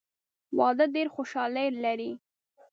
واده ډېره خوشحالي لري.